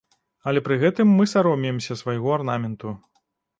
Але пры гэтым мы саромеемся свайго арнаменту.